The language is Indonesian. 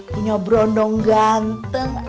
punya berondong ganteng